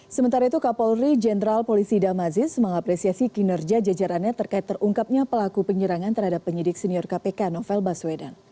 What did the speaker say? sementara itu kapolri jenderal polisi damazis mengapresiasi kinerja jajarannya terkait terungkapnya pelaku penyerangan terhadap penyidik senior kpk novel baswedan